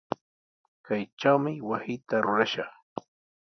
Kaytrawmi wasita rurashaq.